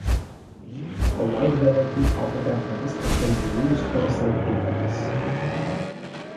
A wide variety of weapons can be used for self-defense.